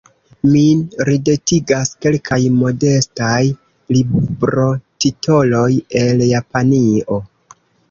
Min ridetigas kelkaj modestaj librotitoloj el Japanio.